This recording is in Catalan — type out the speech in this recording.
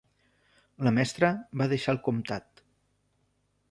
La mestra va deixar el comtat.